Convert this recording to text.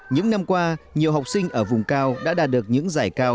những năm qua nhiều học sinh ở vùng cao đã đạt được những giải cao